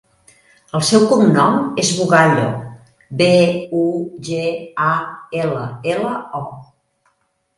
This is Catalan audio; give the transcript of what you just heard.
El seu cognom és Bugallo: be, u, ge, a, ela, ela, o.